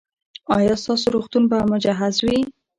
ایا ستاسو روغتون به مجهز وي؟